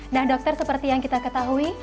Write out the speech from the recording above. nah dokter seperti yang kita ketahui